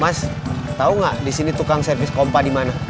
mas tau gak disini tukang servis kompa dimana